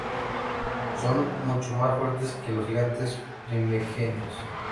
Son mucho más fuertes que los Gigantes Primigenios.